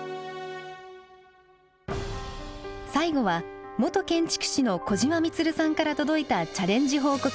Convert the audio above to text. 最後は元建築士の小島充さんから届いたチャレンジ報告動画。